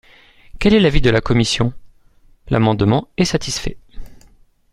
Quel est l’avis de la commission ? L’amendement est satisfait.